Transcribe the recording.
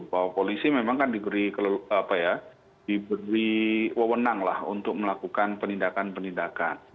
bahwa polisi memang kan diberi keleluh apa ya diberi wewenang lah untuk melakukan penindakan penindakan